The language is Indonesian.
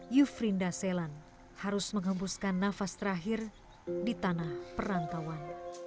yufrinda selan harus menghembuskan nafas terakhir di tanah perantauan